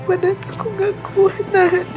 padahal aku gak kuat